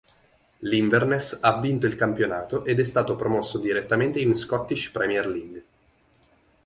L'Inverness ha vinto il campionato ed è stato promosso direttamente in Scottish Premier League.